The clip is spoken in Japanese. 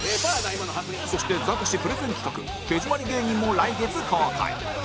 そしてザコシプレゼン企画手詰まり芸人も来月公開